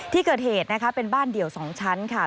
ที่เกิดเหตุนะคะเป็นบ้านเดี่ยว๒ชั้นค่ะ